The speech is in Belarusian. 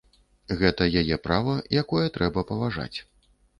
Гэта яе права, якое трэба паважаць.